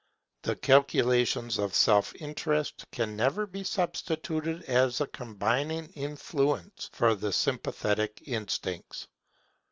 The calculations of self interest can never be substituted as a combining influence for the sympathetic instincts.